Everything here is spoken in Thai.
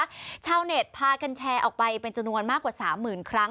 ดังนั้นนะคะชาวเน็ตพากันแชร์ออกไปเป็นจนวนมากกว่า๓๐๐๐๐ครั้ง